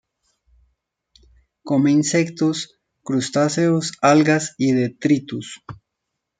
Come insectos, crustáceos, algas y detritus.